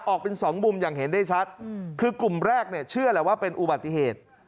ออกเป็นสองมุมอย่างเห็นได้ชัดคือกลุ่มแรกเนี่ยเชื่อแหละว่าเป็นอุบัติเหตุ